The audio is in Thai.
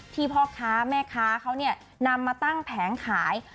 พ่อค้าแม่ค้าเขานำมาตั้งแผงขาย